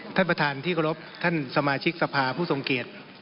ท่านประธานที่เคารพท่านสมาชิกสภาผู้ทรงเกียจ